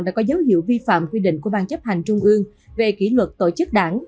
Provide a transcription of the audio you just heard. đã có dấu hiệu vi phạm quy định của ban chấp hành trung ương về kỷ luật tổ chức đảng